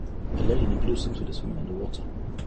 A lady in a blue swimsuit is swimming underwater.